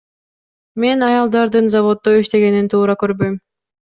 Мен аялдардын заводдо иштегенин туура көрбөйм.